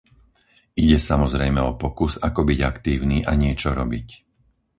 Ide samozrejme o pokus ako byť aktívny a niečo robiť.